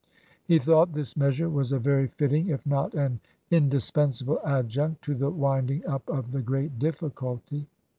He thought this measure was a very fitting if not an indis pensable adjunct to the winding up of the great difficulty.